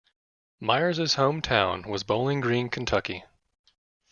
Myers' hometown was Bowling Green, Kentucky.